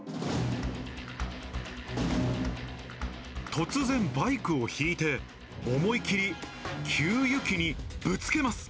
突然、バイクを引いて、思いきり給油機にぶつけます。